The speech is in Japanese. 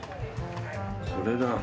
これだ。